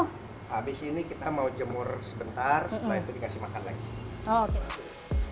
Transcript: habis ini kita mau jemur sebentar setelah itu dikasih makan lagi